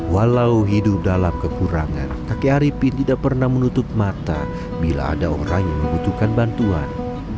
walau hidup dalam kekurangan kakek arifin tidak pernah menutup mata bila ada orang yang membutuhkan bantuan